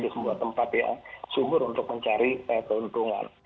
sebuah tempat yang subur untuk mencari keuntungan